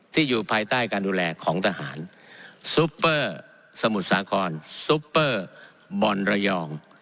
ที่อยู่ภายใต้การดูแลของทหารสมุทรสาคอนบ่อนระยอง